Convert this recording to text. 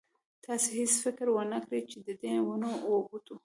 تاسې هېڅ فکر ونه کړ چې ددې ونو او بوټو.